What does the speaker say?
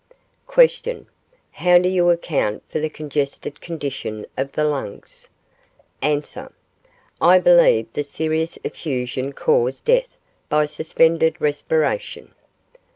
Q. How do you account for the congested condition of the lungs? A. I believe the serous effusion caused death by suspended respiration.